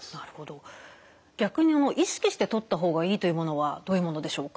逆に意識してとった方がいいというものはどういうものでしょうか？